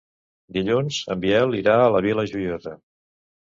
Dilluns en Biel irà a la Vila Joiosa.